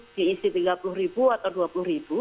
diisi tiga puluh ribu atau dua puluh ribu